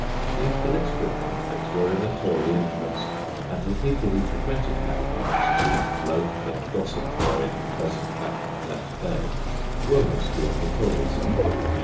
The political pamphlets were in the Tory interest, and the people who frequented Hatchard's to loaf and gossip there in the pleasant fashion of that day, were mostly on the Tory side.